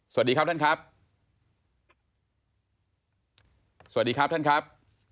สวัสดีครับท่านครับ